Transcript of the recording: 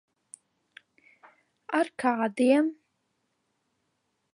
Ar kādiem?